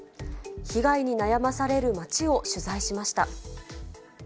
被害に悩まされる町を取材しました。